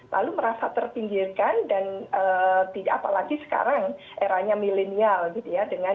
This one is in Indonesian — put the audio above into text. lalu merasa terpinggirkan dan apalagi sekarang eranya milenial gitu ya